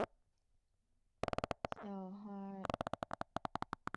小花荛花为瑞香科荛花属下的一个种。